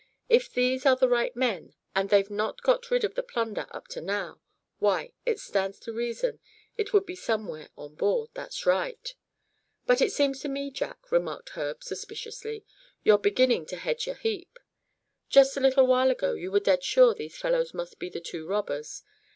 If these are the right men, and they've not got rid of the plunder up to now, why, it stands to reason it would be somewhere on board, that's right." "But seems to me, Jack," remarked Herb, suspiciously, "you're beginning to hedge a heap. Just a little while ago you were dead sure these fellows must be the two robbers.